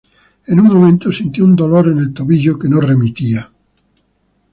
En un momento, sintió un dolor en el tobillo que no remitía.